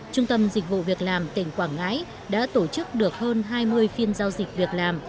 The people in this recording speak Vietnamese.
trung tâm dịch vụ việc làm tỉnh quảng ngãi đã tổ chức được hơn hai mươi phiên giao dịch việc làm